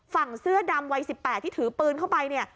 ฝั่งเสื้อดำวัยสิบแปดที่ถือปืนเข้าไปเนี่ย